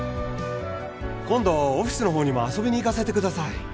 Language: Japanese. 今度オフィスのほうにも遊びに行かせてください